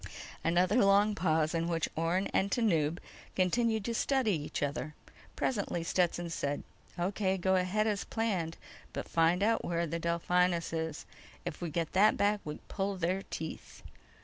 _ Another long pause in which Orne and Tanub continued to study each other. Presently, Stetson said: "O.K. Go ahead as planned. But find out where the Delphinus _is! If we get that back we pull their teeth."